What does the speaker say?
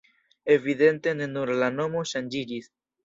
Evidente ne nur la nomo ŝanĝiĝis.